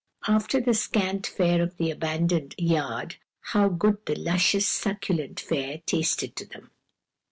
After the scant fare of the abandoned "yard" how good the luscious, succulent fare tasted to them.